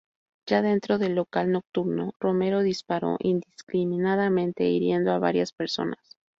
Ya dentro del local nocturno, Romero disparó indiscriminadamente hiriendo a varias personas.